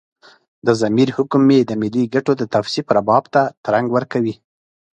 د ضمیر حکم مې د ملي ګټو د توصيف رباب ته ترنګ ورکوي.